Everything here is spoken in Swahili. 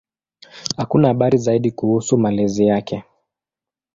Hakuna habari zaidi kuhusu malezi yake.